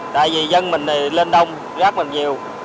tại vì dân mình lên đông rác mình nhiều